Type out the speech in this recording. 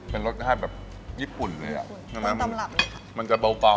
เป็นรสชาติแบบญี่ปุ่นเลยอ่ะใช่ไหมมันจะเบาเบาอย่างงี้ครับอืม